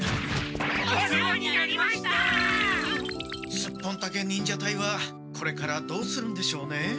スッポンタケ忍者隊はこれからどうするんでしょうね？